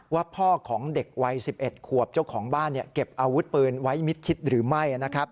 ว่าพ่อของเด็กวัย๑๑ขวบเจ้าของบ้านเก็บอาวุธปืนไว้มิดชิดหรือไม่